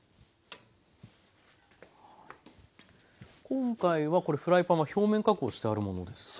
今回はこれフライパンは表面加工してあるものですか？